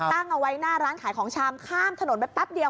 ตั้งเอาไว้หน้าร้านขายของชามข้ามถนนไปแป๊บเดียว